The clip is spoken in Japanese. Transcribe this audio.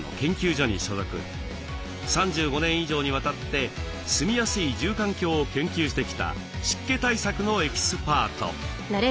３５年以上にわたって住みやすい住環境を研究してきた湿気対策のエキスパート。